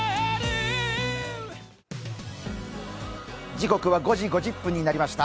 時刻は５時５０分になりました。